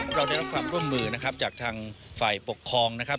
เราได้รับความร่วมมือนะครับจากทางฝ่ายปกครองนะครับ